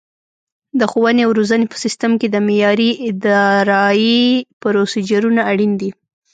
د ښوونې او روزنې په سیستم کې د معیاري ادرایې پروسیجرونه اړین دي.